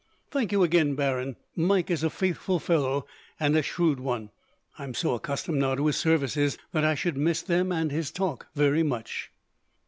"Thank you again, Baron. Mike is a faithful fellow, and a shrewd one. I am so accustomed now to his services that I should miss them, and his talk, very much."